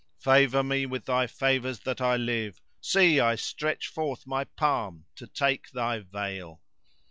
Favour me with thy favours that I live: * See, I stretch forth my palm to take thy vail!